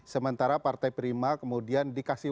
sementara partai prima kemudian dikasih